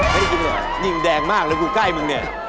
ไม่ได้กินเหรอยิ่งแดงมากแล้วกูใกล้มึงเนี่ย